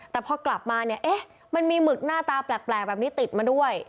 แต่พอกลับมาเนี่ยเอ๊ะมันมีหมึกหน้าตาแปลกแบบนี้ติดมาด้วย